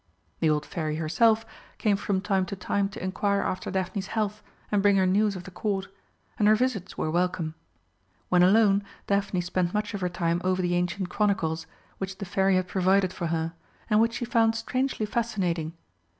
The old Fairy herself came from time to time to inquire after Daphne's health and bring her news of the Court, and her visits were welcome. When alone Daphne spent much of her time over the ancient Chronicles, which the Fairy had provided for her, and which she found strangely fascinating.